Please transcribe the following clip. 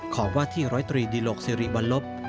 ของวาที่๑๐๓ดิลกสิริวัลลบ